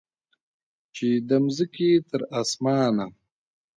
چې د مځکې تر اسمانه